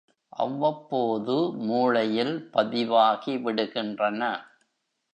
அவ்வப்போது மூளையில் பதிவாகிவிடுகின்றன.